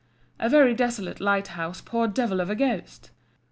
A very desolate lighthouse poor devil of a Ghost!